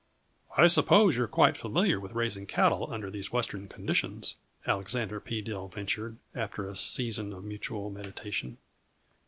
"I suppose you are quite familiar with raising cattle under these Western conditions," Alexander P. Dill ventured, after a season of mutual meditation.